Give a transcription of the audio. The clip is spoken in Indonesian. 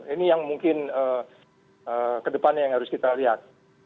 ini yang mungkin kedepannya yang harus kita lihat